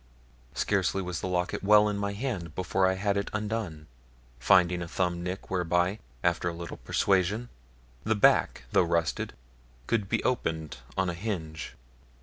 Scarcely was the locket well in my hand before I had it undone, finding a thumb nick whereby, after a little persuasion, the back, though rusted, could be opened on a hinge.